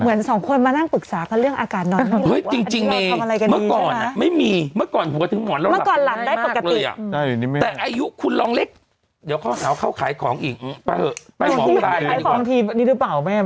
เหมือน๒คนมานั่งปรึกษากันเรื่องอากาศนอนได้มั้ยว่าอย่างนี้เราทำอะไรกันดีใช่ไหม